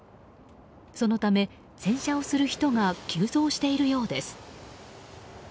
そのため、洗車をする人が急増しているようです。